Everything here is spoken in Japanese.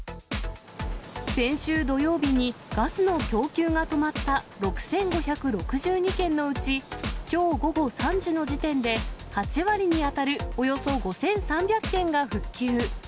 先週土曜日にガスの供給が止まった６５６２軒のうち、きょう午後３時の時点で、８割に当たるおよそ５３００軒が復旧。